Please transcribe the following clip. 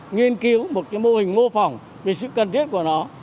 nghiên cứu một cái mô hình mô phỏng vì sự cần thiết của nó